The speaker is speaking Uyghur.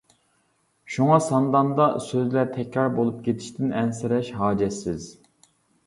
شۇڭا سانداندا سۆزلەر تەكرار بولۇپ كېتىشتىن ئەنسىرەش ھاجەتسىز.